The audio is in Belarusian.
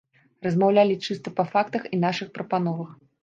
Размаўлялі чыста па фактах і нашых прапановах.